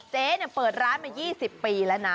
เจ๊เปิดร้านมา๒๐ปีแล้วนะ